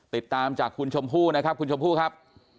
ติดตามจากคุณชมพู่นะครับคุณชมพู่ครับ